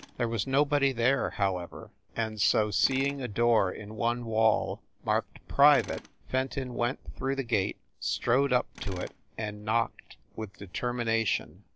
There was nobody there, however, and so, seeing a door in one wall marked "Private" Fenton went through the gate, strode up to it and knocked with determination.